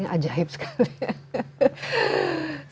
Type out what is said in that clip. paling ajaib sekali ya